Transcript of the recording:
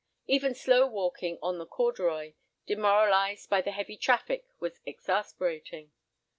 Even slow walking on the Corduroy, demoralised by the heavy traffic, was exasperating.